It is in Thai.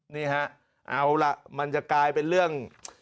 นี่ฮะเอาล่ะมันจะกลายเป็นเรื่อง